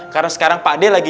karena sekarang pak d lagi